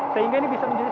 sehingga ini bisa menjadi